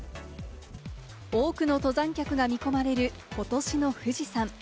多くの登山客が見込まれる、ことしの富士山。